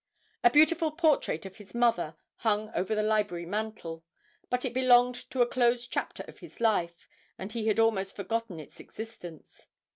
A beautiful portrait of his mother hung over the library mantel, but it belonged to a closed chapter of his life, and he had almost forgotten its existence.